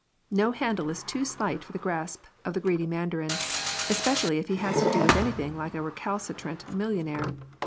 No handle is too slight for the grasp of the greedy mandarin, especially if he has to do with anything like a recal citrant millionaire.